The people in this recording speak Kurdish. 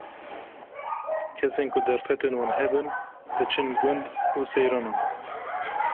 Kesên ku derfetên wan hebin, diçin gund û seyranan.